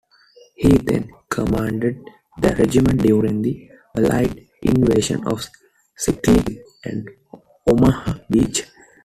He then commanded the Regiment during the Allied invasion of Sicily and Omaha Beach.